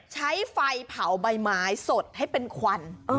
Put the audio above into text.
ใช้ไฟเผาใบไม้สดให้เป็นควัน